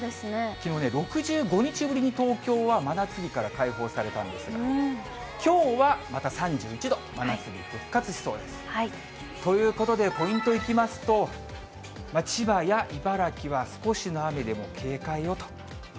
きのうね、６５日ぶりに東京は真夏日から解放されたんですが、きょうはまた３１度、真夏日、復活しそうです。ということでポイントいきますと、千葉や茨城は少しの雨でも警戒をということですね。